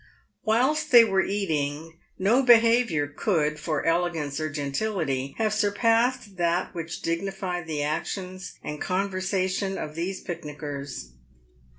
Whilst they were "eating, no behaviour could, for elegance or gen tility, have surpassed that which dignified the actions and conversation of these picnicers.